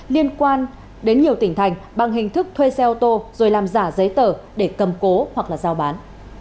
liên quan đến nhiều tỉnh thành bằng hình thức thuê xe ô tô rồi làm giả giấy tờ để cầm cố hoặc là giao bán